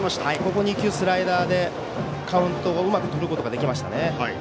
この２球、スライダーでカウントをうまくとることができましたね。